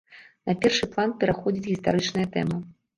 На першы план пераходзіць гістарычная тэма.